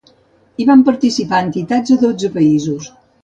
Hi van participar entitats de dotze països.